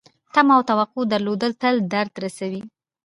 تمه او توقع درلودل تل درد رسوي .